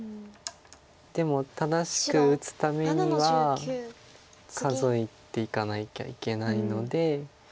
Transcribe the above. でも正しく打つためには数えていかなきゃいけないので。